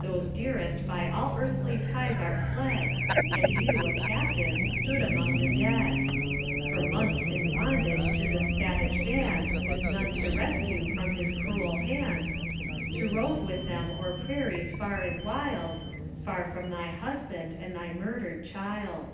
Those dearest by all earthly ties are fled, And you, a captive, stand among the dead ; For months in bondage to this savage band, With none to rescue from his cruel hand, To rove with them o'er prairies far and wild, Far from thy husband and thy murdered child.